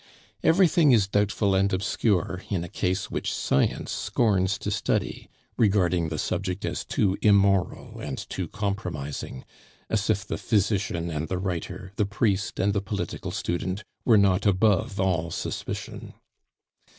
Everything is doubtful and obscure in a case which science scorns to study, regarding the subject as too immoral and too compromising, as if the physician and the writer, the priest and the political student, were not above all suspicion.